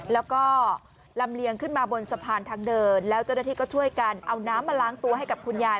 แล้วก็ลำเลียงขึ้นมาบนสะพานทางเดินแล้วเจ้าหน้าที่ก็ช่วยกันเอาน้ำมาล้างตัวให้กับคุณยาย